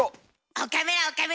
岡村岡村！